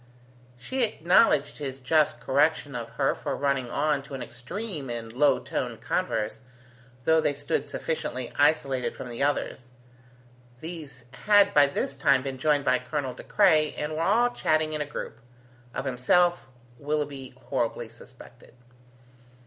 She acknowledged his just correction of her for running on to an extreme in low toned converse, though they stood sufficiently isolated from the others. These had by this time been joined by Colonel De Craye, and were all chatting in a group of himself, Willoughby horribly suspected.